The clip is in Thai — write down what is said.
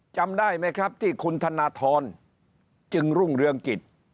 จำได้ไหมครับที่คุณธนทรจึงรุ่งเรืองกิจ